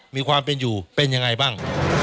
มีความเป็นอยู่เป็นยังไงบ้าง